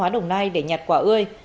để nhặt quả ươi